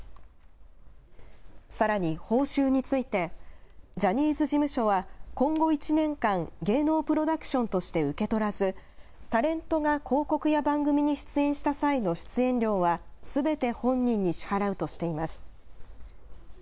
さらに報酬について、ジャニーズ事務所は、今後１年間、芸能プロダクションとして受け取らず、タレントが広告や番組に出演した際の出演料は、すべて本人に支払うとしています。